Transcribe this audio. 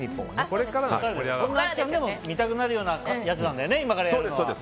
これから見たくなるようなやつなんだよね。